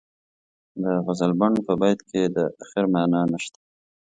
د غزلبڼ په بیت کې د اخر معنا نشته.